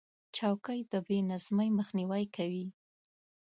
چوکۍ د بې نظمۍ مخنیوی کوي.